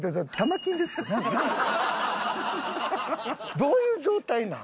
どういう状態なん？